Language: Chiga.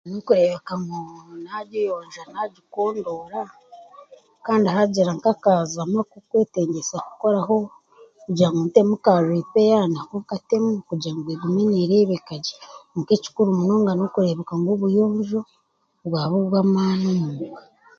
Nookureebeka ngu naagiyonja naagikondoora kandi haagira nk'akaazamu akarikwetengyesa kukoraho kugira ngu ntemu ka ripeye nako nkatemu kugira ngu egume neereebeka gye. Kwonka ekikuru munonga n'okurebeka ngu obuyonjo bwaba obwamaani omuka.